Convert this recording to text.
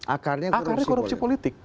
akarnya korupsi politik